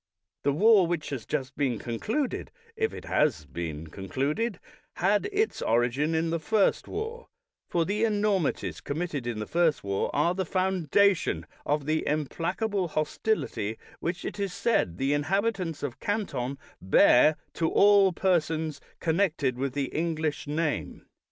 The war which has just been concluded, if it has been concluded, had its origin in the first war; for the enormities committed in the first war are the foundation of the implacable hostility which it is said the inhabitants of Canton bear to all persons connected with the English name.